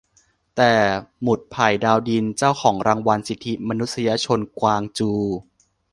แต่"หมุดไผ่ ดาวดิน" เจ้าของรางวัลสิทธิมนุษยชนกวางจู"